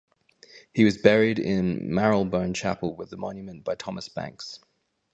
He was buried in Marylebone Chapel with a monument by Thomas Banks.